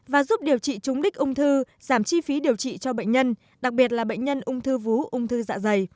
và giúp điều trị trúng đích ung thư giảm chi phí điều trị cho bệnh nhân đặc biệt là bệnh nhân ung thư vú ung thư dạ dày